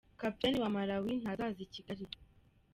Kapiteni wa Malawi ntazaza i Kigali.